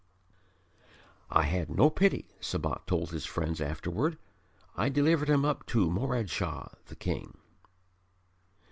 "I had no pity," Sabat told his friends afterward. "I delivered him up to Morad Shah, the King."